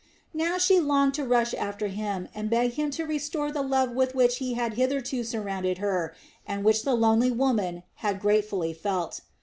Now she longed to rush after him and beg him to restore the love with which he had hitherto surrounded her and which the lonely woman had gratefully felt.